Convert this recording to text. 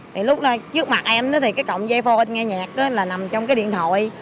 thì lúc trước mặt em thì cái cọng dây phô anh nghe nhạc là nằm trong cái điện thoại